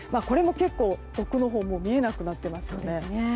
これも結構、奥のほうもう見えなくなっていますよね。